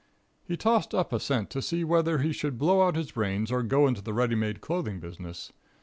He tossed up a cent to see whether he should blow out his brains or go into the ready made clothing business.